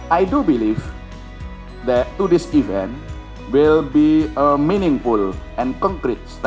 saya percaya bahwa peristiwa ini akan menjadi langkah yang berarti dan konkret